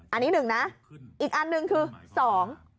อันนี้หนึ่งนะอีกอันหนึ่งคือสอง